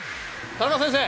田中先生！